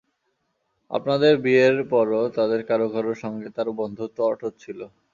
আপনাদের বিয়ের পরও তাঁদের কারও কারও সঙ্গে তাঁর বন্ধুত্ব অটুট ছিল।